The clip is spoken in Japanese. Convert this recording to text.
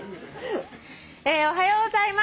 「おはようございます」